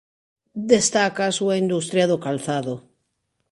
Destaca a súa industria do calzado.